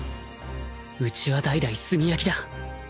うちは代々炭焼きだ。